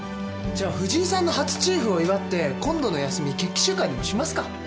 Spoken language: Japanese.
じゃあ藤井さんの初チーフを祝って今度の休み決起集会でもしますか？